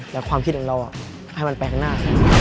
แล้วความคิดของเราอะให้มันแปลกหน้า